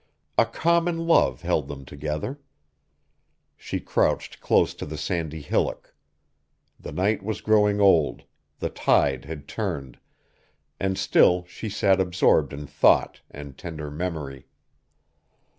A common love held them together. She crouched close to the sandy hillock. The night was growing old, the tide had turned, and still she sat absorbed in thought and tender memory.